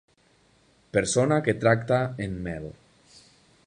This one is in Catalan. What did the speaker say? Persona que tracta en mel.